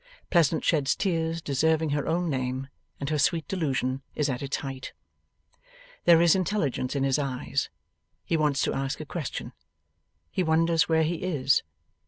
Pleasant sheds tears deserving her own name, and her sweet delusion is at its height. There is intelligence in his eyes. He wants to ask a question. He wonders where he is.